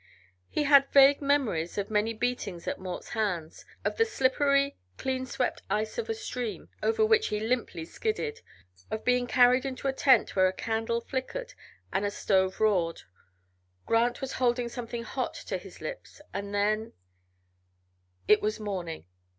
He had vague memories of many beatings at Mort's hands, of the slippery clean swept ice of a stream over which he limply skidded, of being carried into a tent where a candle flickered and a stove roared. Grant was holding something hot to his lips, and then It was morning.